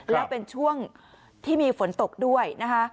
แล้วเป็นช่วงที่มีฝนตกด้วยนะคะ